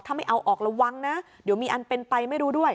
ถ้าไม่เอาออกระวังนะเดี๋ยวมีอันเป็นไปไม่รู้ด้วย